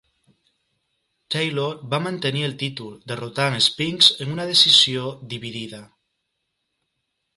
Taylor va mantenir el títol, derrotant a Spinks en una decisió dividida.